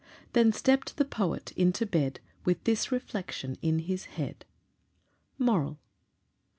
Then stepp'd the poet into bed With this reflection in his head: MORAL.